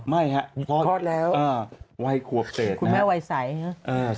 ไม่ครับพ่อคุณพอดแล้วคุณแม่วัยใสวัยขวบเศษนะ